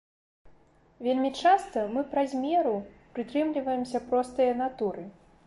Вельмі часта мы праз меру прытрымліваемся простае натуры.